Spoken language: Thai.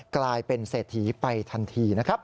กลายเป็นเศรษฐีไปทันทีนะครับ